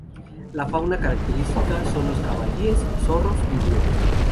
La fauna característica son los jabalíes, zorros y búhos.